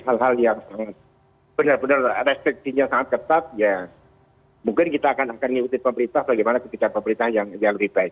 hal hal yang benar benar restriksinya sangat ketat ya mungkin kita akan mengikuti pemerintah bagaimana kebijakan pemerintah yang lebih baik